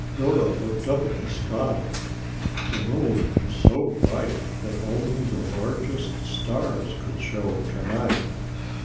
Dora looked up at the sky. The moon was so bright that only the largest stars could show to night.